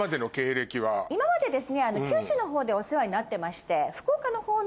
今までですね九州の方でお世話になってまして。